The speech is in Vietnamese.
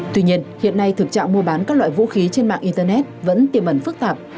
tuy nhiên hiện nay thực trạng mua bán các loại vũ khí trên mạng internet vẫn tiềm ẩn phức tạp